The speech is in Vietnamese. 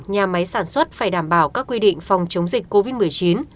nhà máy sản xuất phải đảm bảo các quy định phòng chống dịch covid một mươi chín